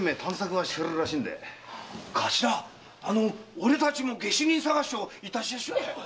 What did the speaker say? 俺たちも下手人捜しをいたしやしょう。